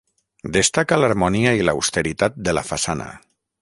Destaca l'harmonia i l'austeritat de la façana.